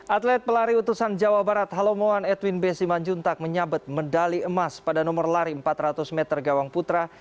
atlet pelari utusan jawa barat halomoan edwin b simanjuntak menyabet medali emas pada nomor lari empat ratus meter gawang putra